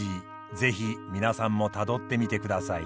是非皆さんもたどってみてください。